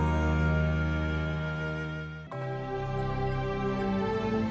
มค